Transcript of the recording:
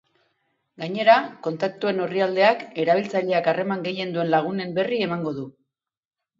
Gainera, kontaktuen orrialdeak, erabiltzaileak harreman gehien duen lagunen berri emango du.